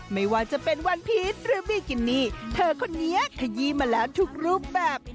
ไม่ว่าจะเป็นวันพีชหรือบีกินี่เธอคนนี้ขยี้มาแล้วทุกรูปแบบ